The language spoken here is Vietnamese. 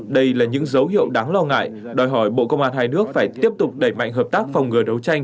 đây là những dấu hiệu đáng lo ngại đòi hỏi bộ công an hai nước phải tiếp tục đẩy mạnh hợp tác phòng ngừa đấu tranh